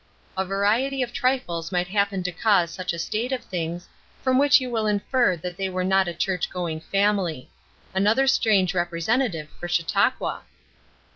A variety of trifles might happen to cause such a state of things, from which you will infer that they were not a church going family. Another strange representative for Chautauqua!